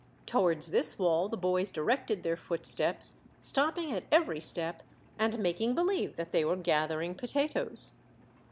Towards this wall the boys directed their footsteps, stopping at every step and making believe that they were gathering potatoes.